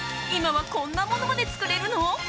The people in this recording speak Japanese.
今はこんなものまで作れるの？